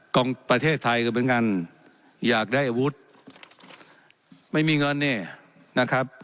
ของประเทศไทยก็เป็นการอยากได้อาวุธไม่มีเงินเนี่ยนะครับ